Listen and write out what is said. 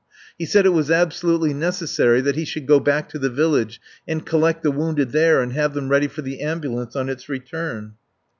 He said it was absolutely necessary that he should go back to the village and collect the wounded there and have them ready for the ambulance on its return.